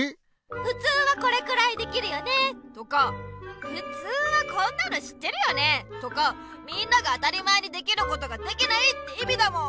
「ふつうはこれくらいできるよね」とか「ふつうはこんなの知ってるよね」とか「みんなが当たり前にできることができない」っていみだもん。